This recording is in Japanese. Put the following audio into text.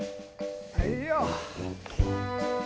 はいよ。